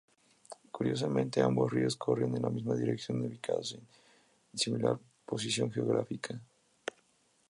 Curiosamente, ambos ríos corren en la misma dirección, ubicados en similar posición geográfica.